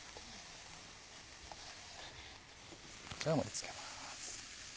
こちら盛り付けます。